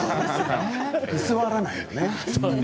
居座らないのね。